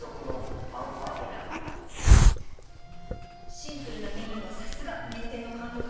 シンプルなメニューはさすが名店の貫禄